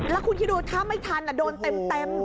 แล้วคุณคิดดูถ้าไม่ทันโดนเต็ม